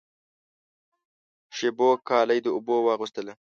شېبو کالی د اوبو واغوستله